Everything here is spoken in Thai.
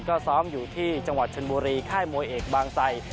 ก็ซ้อมอยู่ที่จังหวัดชนบุรีค่ายมวยเอกบางไซ